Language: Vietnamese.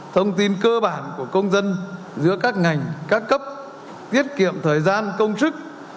thông tin cơ bản của công dân giữa các ngành các cấp tiết kiệm thời gian công sức